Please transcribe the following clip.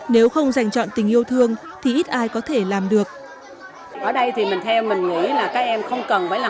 nếu không dành chọn tình yêu thương thì ít ai có thể làm được